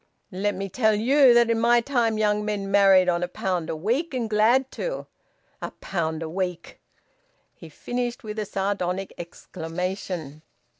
"Let me tell you that in my time young men married on a pound a week, and glad to! A pound a week!" He finished with a sardonic exclamation.